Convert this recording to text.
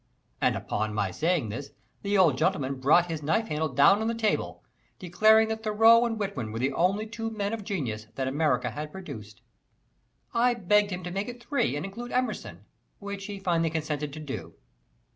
And upon my saying this, the old gentleman brought his knife handle down on the table, declaring that Thoreau and Whitman were the only two men of genius that America had produced. I begged him to make it three and include Emerson, which he finally consented to do.